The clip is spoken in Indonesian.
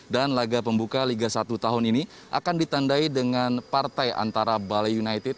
dan laga pembuka liga satu tahun ini akan ditandai dengan partai antara bali united